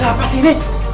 ada apa sih ini